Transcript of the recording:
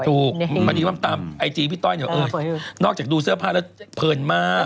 พอดีว่าตามไอจีพี่ต้อยเนี่ยเออนอกจากดูเสื้อผ้าแล้วเพลินมาก